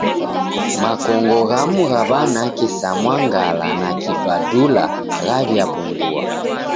Makongo ghamu gha w'anake sa mwangala na kibadula ghaw'iapungua.